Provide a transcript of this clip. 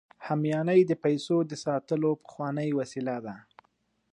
همیانۍ د پیسو د ساتلو پخوانۍ وسیله ده